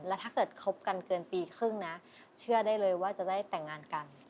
แล้วถ้าเกิดคบกันเกินปีครึ่งนะเชื่อได้เลยว่าจะได้แต่งงานกัน